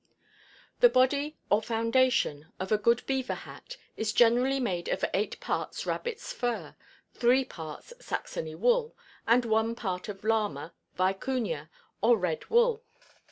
] The "body," or "foundation," of a good beaver hat is generally made of eight parts rabbit's fur, three parts Saxony wool, and one part of llama, vicunia, or "red" wool.